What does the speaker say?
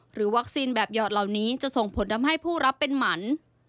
วัคซีนแบบหยอดเหล่านี้จะส่งผลทำให้ผู้รับเป็นหมัน